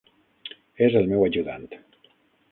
És el meu ajudant.